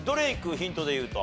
ヒントでいうと。